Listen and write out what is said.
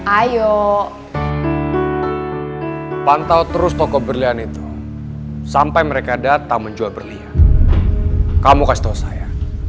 ayo pantau terus toko berlian itu sampai mereka datang menjual berlian kamu kasih tahu saya